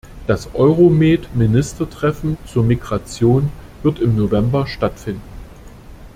Das Euromed-Ministertreffen zur Migration wird im November stattfinden.